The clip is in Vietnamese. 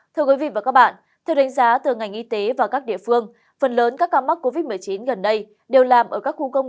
thưa quý vị và các bạn theo đánh giá từ ngành y tế và các địa phương phần lớn các ca mắc covid một mươi chín gần đây đều làm ở các khu công